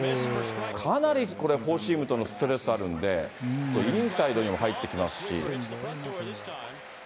かなりこれ、フォーシームとのあるんで、インサイドにも入ってきますし。